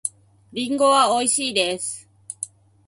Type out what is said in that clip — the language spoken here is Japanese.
リンゴはおいしいです。